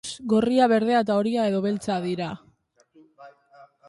Gorria, berdea eta horia edo beltza dira.